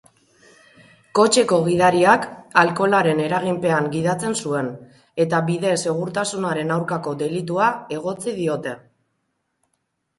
Kotxeko gidariak alkoholaren eraginpean gidatzen zuen eta bide-segurtasunaren aurkako delitua egotzi diote.